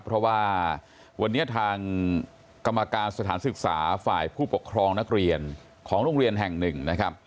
เพราะว่าวันนี้ทางกรรมการสถานศึกษาฝ่ายผู้ปกครองนักเรียนของโรงเรียนแห่งหนึ่งนะครับ